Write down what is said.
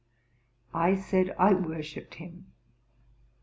I said I worshipped him.